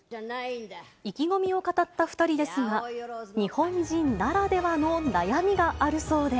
意気込みを語った２人ですが、日本人ならではの悩みがあるそうで。